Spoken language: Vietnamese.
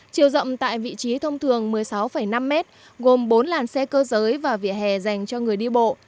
chiều rộng tại vị trí thông thường một mươi sáu năm m gồm bốn làn xe cơ giới và vỉa hè dành cho người đi bộ